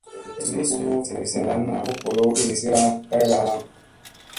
Ni suu vi salana, u bolow iirizira kayra halaŋ.